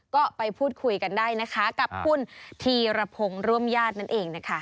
ก็ไปพูดคุยกันได้นะคะกับคุณธีรพงศ์ร่วมญาตินั่นเองนะคะ